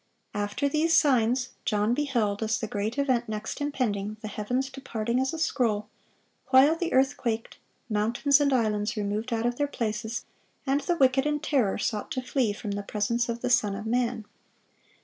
(558) After these signs, John beheld, as the great event next impending, the heavens departing as a scroll, while the earth quaked, mountains and islands removed out of their places, and the wicked in terror sought to flee from the presence of the Son of man.